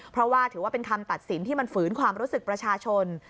เพราะว่าถือว่าเป็นคำตัดสินที่มันฝืนความรู้สึกประชาชน